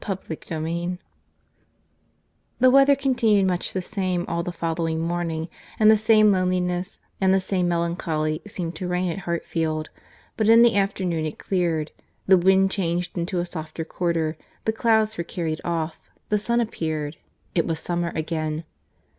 CHAPTER XIII The weather continued much the same all the following morning; and the same loneliness, and the same melancholy, seemed to reign at Hartfield—but in the afternoon it cleared; the wind changed into a softer quarter; the clouds were carried off; the sun appeared; it was summer again.